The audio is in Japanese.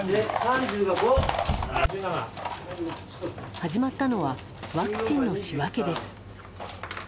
始まったのはワクチンの仕分けです。